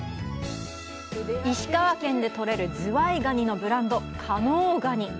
石川県で取れるズワイガニのブランド加能ガニ。